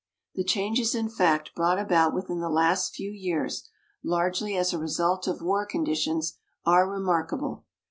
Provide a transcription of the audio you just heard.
The changes in fact brought about within the last few years, largely as a result of war conditions, are remarkable.